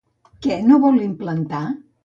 Què no vol implantar?